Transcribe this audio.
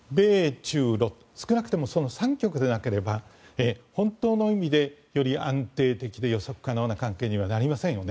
中ロ少なくともその３極でなくては本当の意味でより安定的で予測可能な関係にはなりませんよね。